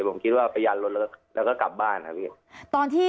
ผมคิดว่าไปยันรถแล้วก็กลับบ้านครับพี่ตอนที่